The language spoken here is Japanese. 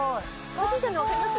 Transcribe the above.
はじいてるの分かります？